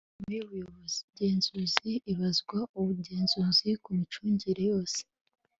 inama y'ubugenzuzi ibazwa ubugenzuzi ku micungire yose